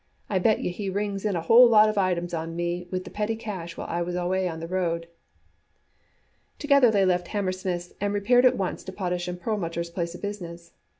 I bet you he rings in a whole lot of items on me with the petty cash while I was away on the road." Together they left Hammersmith's and repaired at once to Potash & Perlmutter's place of business.